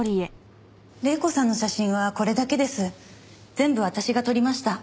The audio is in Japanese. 全部私が撮りました。